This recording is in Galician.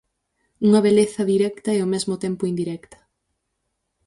Unha beleza directa e ao mesmo tempo indirecta.